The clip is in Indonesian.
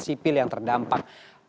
sipil yang terdampak